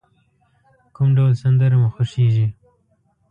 کوم ډول سندری مو خوښیږی؟